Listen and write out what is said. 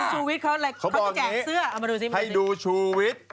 คุณชูวิทย์เขาจะแจกเสื้อเอามาดูซิมกันสิเขาบอกอย่างนี้ให้ดูชูวิทย์